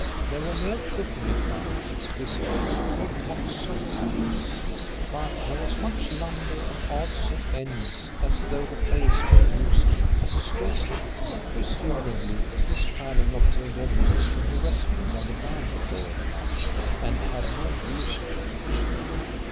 There were no cooking appliances visible, or pots or pans, but there was much lumber and odds and ends, as though the place were used as a store room. Presumably Miss Fanning obtained her meals from the restaurant on the ground floor of the mansions and had no use for a kitchen.